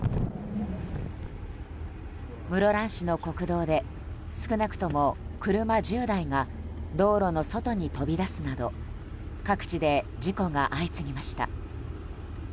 室蘭市の国道で少なくとも車１０台が道路の外に飛び出すなど各地で事故が相次ぎました。